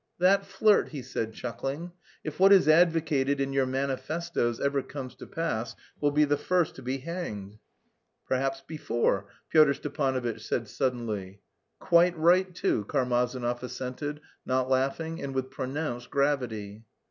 "That flirt," he said, chuckling, "if what is advocated in your manifestoes ever comes to pass, will be the first to be hanged." "Perhaps before," Pyotr Stepanovitch said suddenly. "Quite right too," Karmazinov assented, not laughing, and with pronounced gravity.